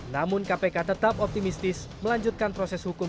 namun kpk tetap optimistis melanjutkan proses hukum